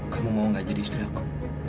kamu mau gak jadi istri apa